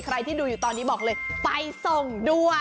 ใครที่ดูอยู่ตอนนี้บอกเลยไปส่งด้วย